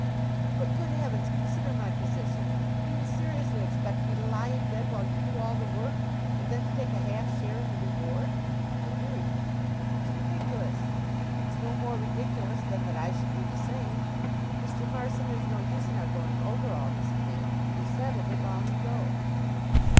"But, good heavens, consider my position! Do you seriously expect me to lie in bed while you do all the work, and then to take a half share in the reward?" "I do." "It's ridiculous!" "It's no more ridiculous than that I should do the same. Mr. Marson, there's no use in our going over all this again. We settled it long ago."